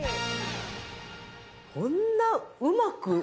こんなうまく。